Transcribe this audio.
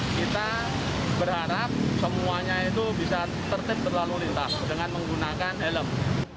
kita berharap semuanya itu bisa tertib berlalu lintas dengan menggunakan helm